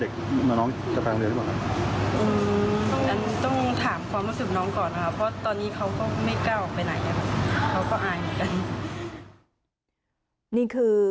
ก็ไม่คิดว่าจะตัดสั้นขนาดนี้ไง